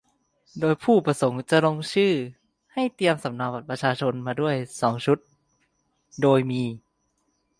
โดยผู้ประสงค์จะลงชื่อ ให้เตรียมสำเนาบัตรประชาชนมาด้วยสองชุด โดยมี